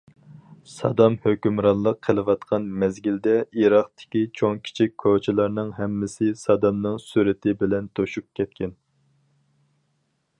سادام ھۆكۈمرانلىق قىلىۋاتقان مەزگىلدە، ئىراقتىكى چوڭ- كىچىك كوچىلارنىڭ ھەممىسى سادامنىڭ سۈرىتى بىلەن توشۇپ كەتكەن.